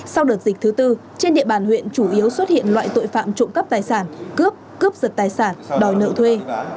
sau đợt dịch thứ tư trên địa bàn huyện chủ yếu xuất hiện loại tội phạm trộm cắp tài sản cướp cướp giật tài sản đòi nợ thuê